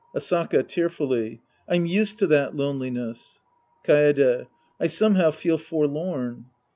Asaka (tearfully). I'm used to that loneliness. Kaede. I somehow feel forlorn.